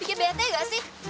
bikin bete gak sih